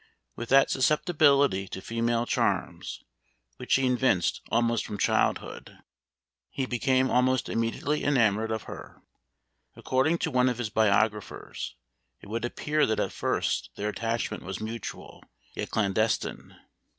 With that susceptibility to female charms, which he evinced almost from childhood, he became almost immediately enamored of her. According to one of his biographers, it would appear that at first their attachment was mutual, yet clandestine.